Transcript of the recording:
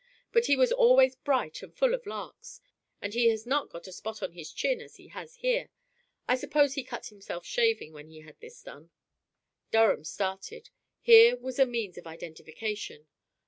But he was always bright and full of larks. Then he has not got a spot on his chin as he has here. I suppose he cut himself shaving when he had this done." Durham started. Here was a means of identification.